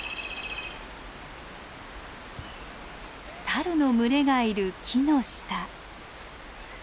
サルの群れがいる木の下。